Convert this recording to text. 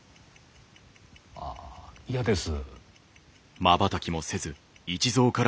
あ嫌です。